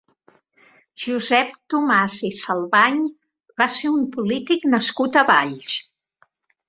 Josep Tomàs i Salvany va ser un polític nascut a Valls.